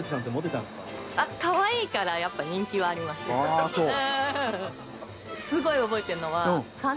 ああそう。